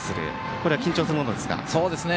これは緊張するものですか？ですね。